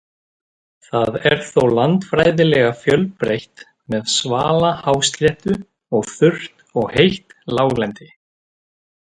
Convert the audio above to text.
Það er þó landfræðilega fjölbreytt með svala hásléttu og þurrt og heitt láglendi.